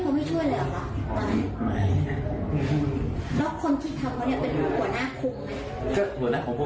ก็คือหลังจากอยู่ได้แค่พักหนึ่งเขาเงินเดือนออกแบบนี้